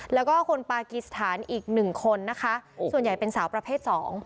แล้วก็คนปากีสถานอีกหนึ่งคนนะคะส่วนใหญ่เป็นสาวประเภทสอง